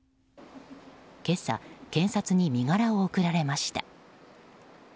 今朝、検察に身柄を送られました。